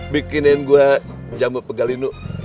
bukan gue jamu pegali nu